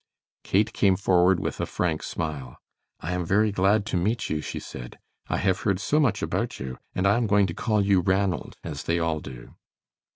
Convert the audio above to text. Kate came forward with a frank smile. "I am very glad to meet you," she said. "I have heard so much about you, and I am going to call you Ranald, as they all do."